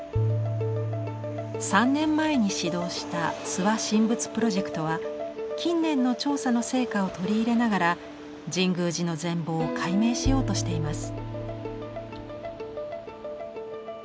３年前に始動した「諏訪神仏プロジェクト」は近年の調査の成果を取り入れながら神宮寺の全貌を解明しようとしています。